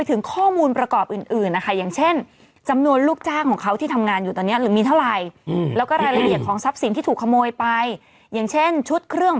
ซึ่งเป็นสัญลักษณ์ที่วิกฤตจริงจริงเขาบอกว่าถ้าสมมติคุณดูเอ่อ